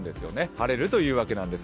晴れるというわけです。